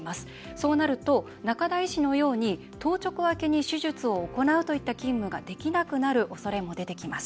そうなると、仲田医師のように当直明けに手術を行うという勤務ができなくなるおそれも出てきます。